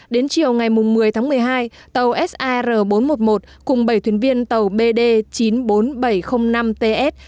đến chiều ngày một mươi tháng một mươi hai tàu sar bốn trăm một mươi một cùng bảy thuyền viên tàu bd chín mươi bốn nghìn bảy trăm linh năm ts